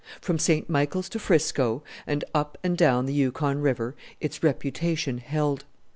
From St. Michael's to Frisco, and up and down the Yukon River, its reputation held.